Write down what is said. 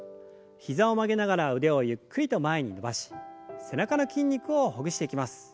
膝を曲げながら腕をゆっくりと前に伸ばし背中の筋肉をほぐしていきます。